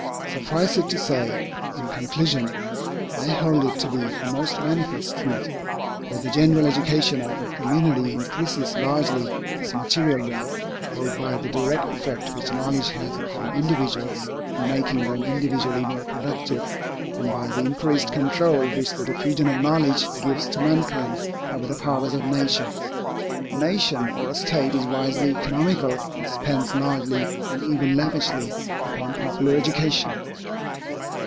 Suffice it to say, in conclusion, I hold it to be a most manifest truth, that the general education of a community increases largely its material wealth, both by the direct effect which knowledge has upon individuals in making them individually more productive, and by the increased control which the diffusion of knowledge gives to mankind over the powers of nature. A nation or a state is wisely economical which spends largely and even lavishly upon popular education.